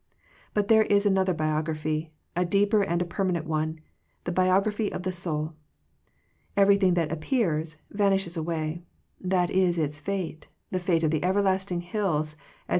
But there is another biography, a deeper and a permanent one, the biography of the souL Everything that appears van ishes away: that is its fate, the fate of the everlasting hills as well as of the vapor that caps them.